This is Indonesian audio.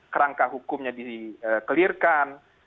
kerangka hukumnya dikelirkan